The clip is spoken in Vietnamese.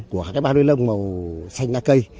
của hai cái bao ni lông màu xanh na cây